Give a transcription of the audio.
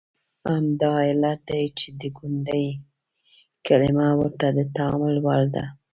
همدا علت دی چې د ګوندي کلمه ورته د تامل وړ ده.